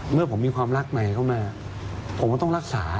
เมื่อผมมีความรักใหม่เข้ามาผมก็ต้องรักษา